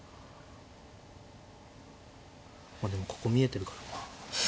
まあでもここ見えてるからまあ。